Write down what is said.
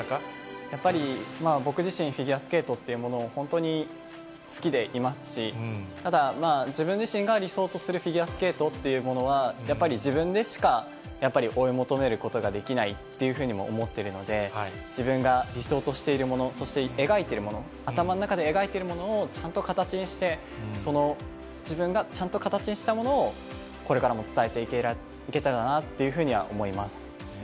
やっぱり僕自身、フィギュアスケートっていうものを、本当に好きでいますし、ただまあ、自分自身が理想とするフィギュアスケートっていうものは、やっぱり自分でしか、やっぱり追い求めることしかできないというふうに思っているので、自分が理想としているもの、そして描いているもの、頭の中で描いているものをちゃんと形にして、その自分がちゃんと形にしたものを、これからも伝えていけたらなっていうふうには思います。